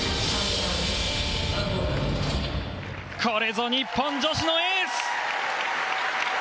これぞ日本女子のエース。